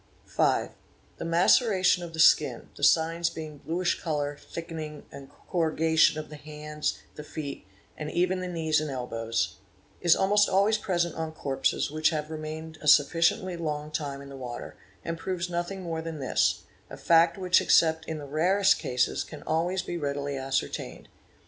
5. The mageration of the skin—the signs being bluish colour, thick : ening, and corrugation, of the hands, the feet, and even the knees and elbows—is almost always present on corpses which have remained a 'sufficiently long time in the water, and proves nothing more than this, a fact which except in the rarest cases can always be readily ascertained.